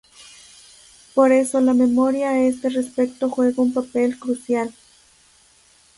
Por eso la memoria a este respecto juega un papel crucial.